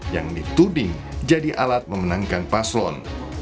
yang dituding jadi alat memenangkan paslon